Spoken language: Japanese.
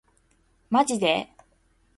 マジで